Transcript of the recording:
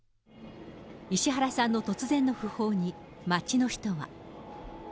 石原さんの突然の訃報に街の人は。